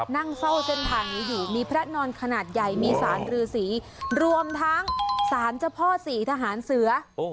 นั่งเฝ้าเส้นทางนี้อยู่มีพระนอนขนาดใหญ่มีสารรือสีรวมทั้งสารเจ้าพ่อศรีทหารเสือ